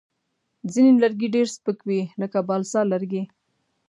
ځینې لرګي ډېر سپک وي، لکه بالسا لرګی.